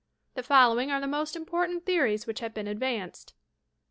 The following are the most important theories which have been advanced : 1.